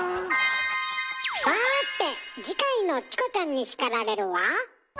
さて次回の「チコちゃんに叱られる」は？